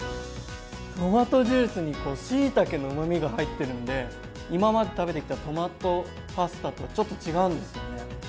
トマトジュースにこうしいたけのうまみが入ってるんで今まで食べてきたトマトパスタとはちょっと違うんですよね。